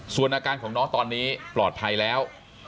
ส่วนอาการของน้องตอนนี้ปลอดภัยแล้ว